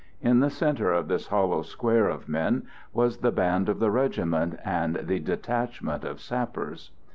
In the centre of this hollow square of men was the band of the regiment, and the detachment of sappers.